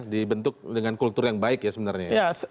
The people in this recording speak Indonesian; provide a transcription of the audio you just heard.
dibentuk dengan kultur yang baik ya sebenarnya ya